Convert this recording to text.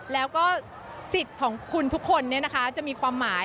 แล้วก็สิทธิ์ของคุณทุกคนจะมีความหมาย